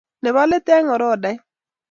Ne bo let eng orodait.